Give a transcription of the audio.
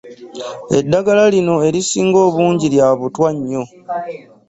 Eddagala lino erisinga obungi lya butwa nnyo.